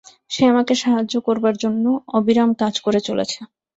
সে আমাকে সাহায্য করবার জন্য অবিরাম কাজ করে চলেছে।